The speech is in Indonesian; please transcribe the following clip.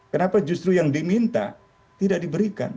kenapa justru yang diminta tidak diberikan